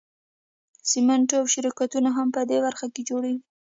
سیسټمونه او سرکټونه هم په دې برخه کې جوړیږي.